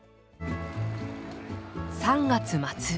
３月末。